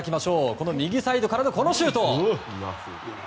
この右サイドからのシュート。